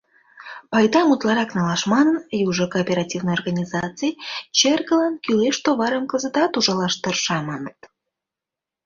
Пайдам утларак налаш манын, южо кооперативный организаций черкылан «кӱлеш» товарым кызытат «ужалаш» тырша, маныт.